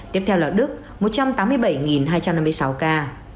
tiếp theo là đức một trăm tám mươi bảy hai trăm năm mươi sáu ca